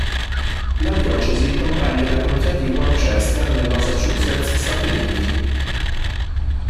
La diocesi comprende la contea di Worcester, nel Massachusetts, Stati Uniti.